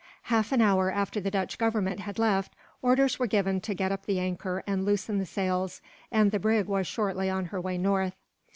Half an hour after the Dutch Governor had left, orders were given to get up the anchor and loosen the sails, and the brig was shortly on her way north.